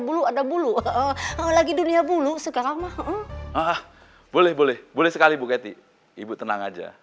bulu ada bulu lagi dunia bulu sekarang mah boleh boleh sekali bu ketty ibu tenang aja